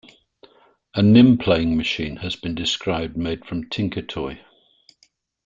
A Nim Playing Machine has been described made from TinkerToy.